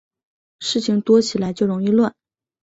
事情多起来就容易乱